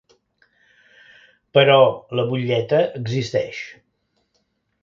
Però la butlleta existeix.